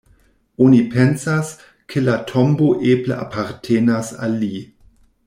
Oni pensas, ke la tombo eble apartenas al li.